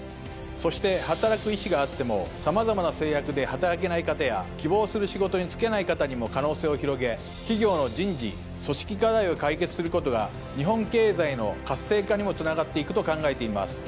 そして働く意思があってもさまざまな制約で働けない方や希望する仕事に就けない方にも可能性を広げ企業の人事・組織課題を解決することが日本経済の活性化にもつながっていくと考えています。